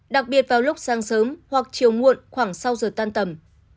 đặc biệt vào lúc sáng sớm hoặc chiều muộn khoảng sau giờ tan tầm